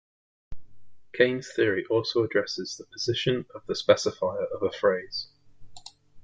Kayne's theory also addresses the position of the specifier of a phrase.